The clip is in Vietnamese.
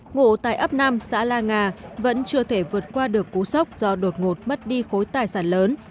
ngộ tại ấp năm xã la nga vẫn chưa thể vượt qua được cú sốc do đột ngột mất đi khối tài sản lớn